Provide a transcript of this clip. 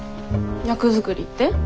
役作りって？